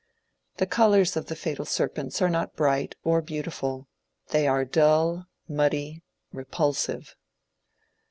The colours of the fatal serpents are not bright or beauti ful ; they are dull, muddy, repulsive.